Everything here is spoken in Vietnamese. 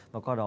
và qua đó